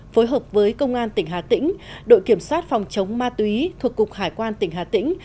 phối hợp với công an tỉnh hà tĩnh đội kiểm soát phòng chống ma túy thuộc cục hải quan tỉnh hà tĩnh